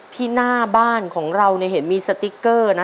ที่หน้าบ้านของเราเนี่ยเห็นมีสติ๊กเกอร์นะ